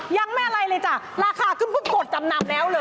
ยังไม่อะไรเลยจ้ะราคาขึ้นเพิ่งกดจำนำแล้วเลย